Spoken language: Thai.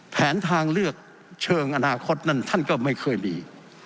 ทางเลือกเชิงอนาคตนั้นท่านก็ไม่เคยมี